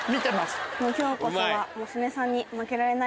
今日こそは。